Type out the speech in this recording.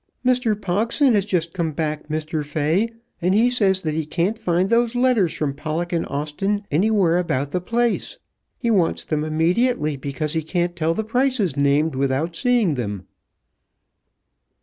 "Mr. Pogson has just come back, Mr. Fay, and he says that he can't find those letters from Pollock and Austen anywhere about the place. He wants them immediately, because he can't tell the prices named without seeing them."